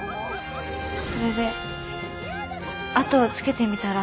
それで後をつけてみたら。